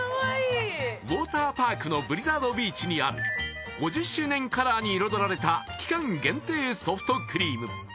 ウォーターパークのブリザード・ビーチにある５０周年カラーに彩られた期間限定ソフトクリーム